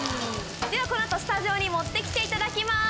ではこの後スタジオに持ってきていただきます。